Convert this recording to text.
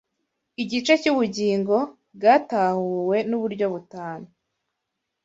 igice cy ubugingo bwatahuwe nuburyo butanu